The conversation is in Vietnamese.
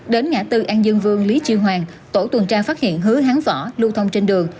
đến ngã tư an dương vương lý chiêu hoàng tổ tuần tra phát hiện hứa hán võ lưu thông trên đường